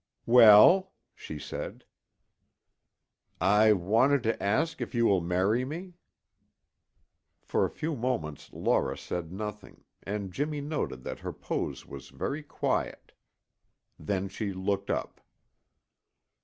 "Well?" she said. "I wanted to ask if you will marry me?" For a few moments Laura said nothing and Jimmy noted that her pose was very quiet. Then she looked up.